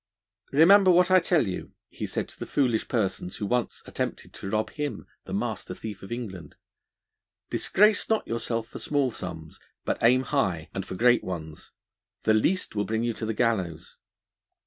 'Remember what I tell you,' he said to the foolish persons who once attempted to rob him, the master thief of England, 'disgrace not yourself for small sums, but aim high, and for great ones; the least will bring you to the gallows.'